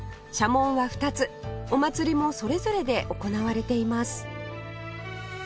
お祭りもそれぞれで行われています